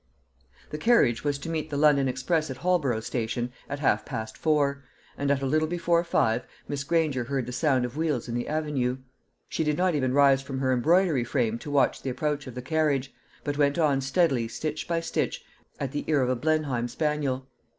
The carriage was to meet the London express at Holborough station at half past four, and at a little before five Miss Granger heard the sound of wheels in the avenue. She did not even rise from her embroidery frame to watch the approach of the carriage, but went on steadily stitch by stitch at the ear of a Blenheim spaniel.